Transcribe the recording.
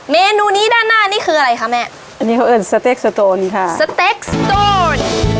เมนูนี้ด้านหน้านี่คืออะไรคะแม่อันนี้เขาเอิญสเต็กสตูนค่ะสเต็กสตูน